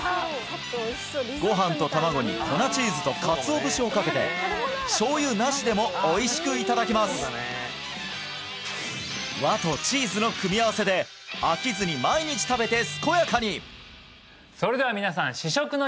ご飯と卵に粉チーズとかつお節をかけて醤油なしでもおいしく頂けます和とチーズの組み合わせで飽きずに毎日食べて健やかに！